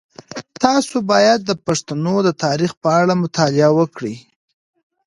تاسو باید د پښتنو د تاریخ په اړه مطالعه وکړئ.